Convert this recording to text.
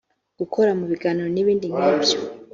gukora mu ibagiro n’ibindi nk’ibyo